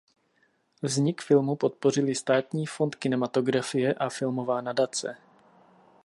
Vznik filmu podpořili Státní fond kinematografie a Filmová nadace.